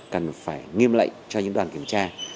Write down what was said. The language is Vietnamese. cần phải nghiêm lệnh cho những đoàn kiểm tra